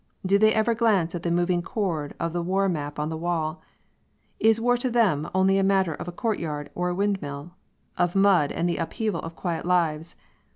Do they ever glance at the moving cord of the war map on the wall? Is this war to them only a matter of a courtyard or a windmill? Of mud and the upheaval of quiet lives?